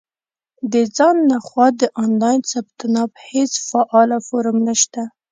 • د ځان له خوا د آنلاین ثبت نام هېڅ فعاله فورم نشته.